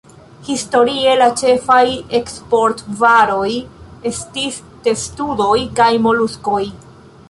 Historie la ĉefaj eksport-varoj estis testudoj kaj moluskoj.